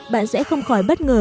bạn sẽ không khỏi bất ngờ